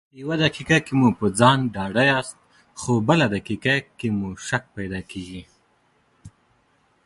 يو دقيقه کې مو په ځان ډاډه ياست خو بله دقيقه شک پیدا کېږي.